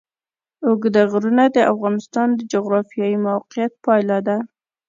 اوږده غرونه د افغانستان د جغرافیایي موقیعت پایله ده.